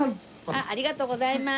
ありがとうございます。